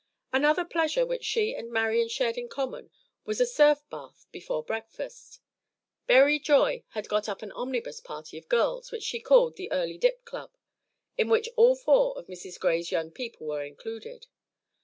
Another pleasure which she and Marian shared in common was a surf bath before breakfast. Berry Joy had got up an omnibus party of girls, which she called "The Early Dip Club," in which all four of Mrs. Gray's young people were included.